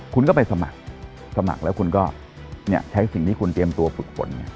คุณก็ไปสมัครสมัครแล้วคุณก็ใช้สิ่งที่คุณเตรียมตัวฝึกฝนไง